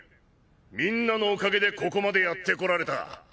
みんなのおかげでここまでやってこられた。